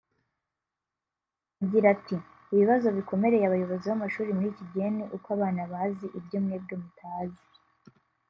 Agira ati “Ibibazo bikomereye abayobozi b’amashuri muri iki gihe ni uko abana bazi ibyo mwebwe mutazi